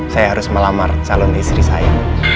saya harus melamar calon istri saya